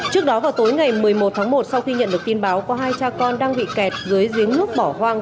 trước đó vào tối ngày một mươi một tháng một sau khi nhận được tin báo có hai cha con đang bị kẹt dưới nước bỏ hoang